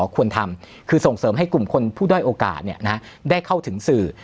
ควรทำคือส่งเสริมให้กลุ่มคนผู้ด้อยโอกาสได้เข้าถึงสื่อ